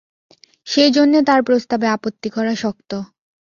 সেইজন্যে তার প্রস্তাবে আপত্তি করা শক্ত।